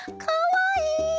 かわいい！